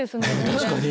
確かに。